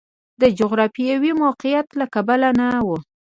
د جغرافیوي موقعیت له کبله نه و.